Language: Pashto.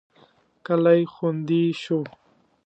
کلی خوندي شو.